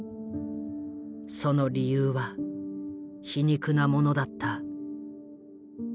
その理由は皮肉なものだった。